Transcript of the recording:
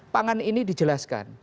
pangan ini dijelaskan